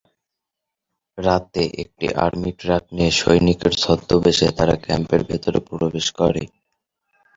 রাতে একটি army truck নিয়ে সৈনিকের ছদ্মবেশে তারা ক্যাম্পের ভেতর প্রবেশ করে।